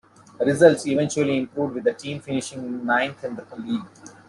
Results eventually improved with the team finishing ninth in the league.